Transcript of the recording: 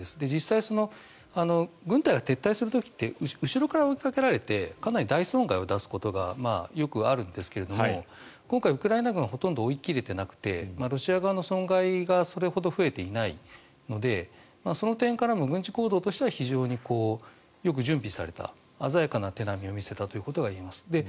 実際、軍隊が撤退する時って後ろから追いかけられてかなり大損害を出すことがよくあるんですが今回、ウクライナ軍はほとんど追い切れていなくてロシア側の損害がそれほど増えていないのでその点からも軍事行動としては非常によく準備された鮮やかな手並みを見せたということが言えます。